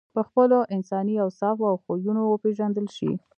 په خپلو انساني اوصافو او خویونو وپېژندل شې.